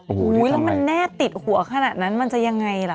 โอ้โหแล้วมันแน่ติดหัวขนาดนั้นมันจะยังไงล่ะ